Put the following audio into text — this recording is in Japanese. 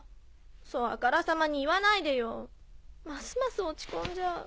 そうあからさまに言わないでよますます落ち込んじゃう。